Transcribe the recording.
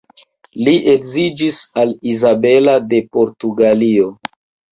Li edziĝis al Izabela de Portugalio.